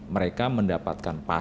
mereka mendapatkan pasar